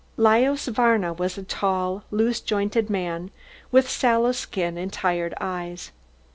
Lajos Varna was a tall, loose jointed man with sallow skin and tired eyes.